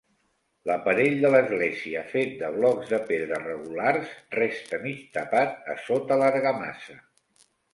L'aparell de l'església, fet de blocs de pedra regulars, resta mig tapat a sota l'argamassa.